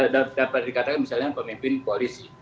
dapat dikatakan misalnya pemimpin koalisi